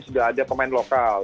sudah ada pemain lokal